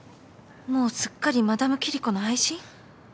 もうすっかりマダムキリコの愛人？